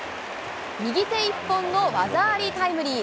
右手一本の技ありタイムリー。